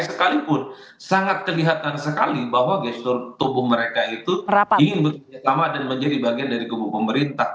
sekalipun sangat kelihatan sekali bahwa gestur tubuh mereka itu ingin bekerja sama dan menjadi bagian dari kubu pemerintah